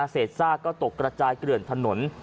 เศษซากก็ตกกระจายเกลื่อนถนน